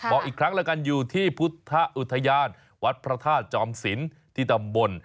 บอกอีกครั้งแล้วกันอยู่ที่พุทธอุทยานวัดพระธาตุจอมศิลป์ที่ตำบล